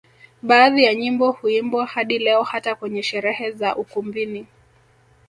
Baadhi ya nyimbo huimbwa hadi leo hata kwenye sherehe za ukumbini